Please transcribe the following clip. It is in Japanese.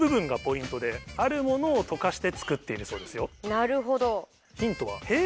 なるほど。